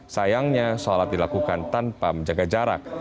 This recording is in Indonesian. sayangnya sholat dilakukan tanpa menjaga jarak